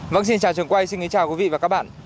vâng xin chào trường quay xin kính chào quý vị và các bạn